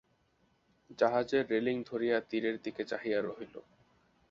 জাহাজের রেলিং ধরিয়া তীরের দিকে চাহিয়া রহিল।